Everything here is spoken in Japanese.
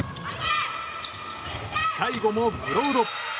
最後もブロード。